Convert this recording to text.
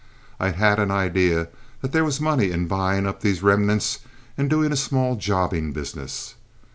I had an idea that there was money in buying up these remnants and doing a small jobbing business.